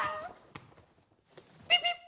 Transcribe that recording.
ピピッ！